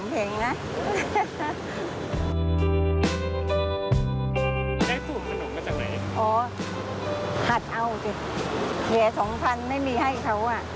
เหลือ๒๐๐๐ไม่มีให้เขา